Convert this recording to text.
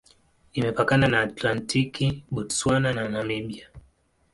Imepakana na Atlantiki, Botswana na Namibia.